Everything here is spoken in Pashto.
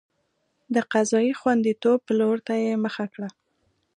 د قضایي خوندیتوب پلور ته یې مخه کړه.